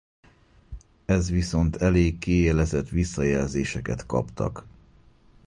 Ez viszont elég kiélezett visszajelzéseket kaptak.